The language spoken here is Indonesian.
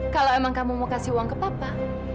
kalau emang kamu mau kasih uang ke papa